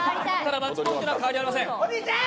マッチポイントには変わりありません。